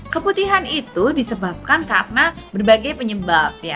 keputihan itu disebabkan karena berbagai penyebab